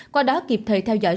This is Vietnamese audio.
qua đó kịp thời theo dõi